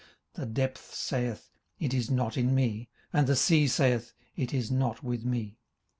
18:028:014 The depth saith, It is not in me: and the sea saith, It is not with me.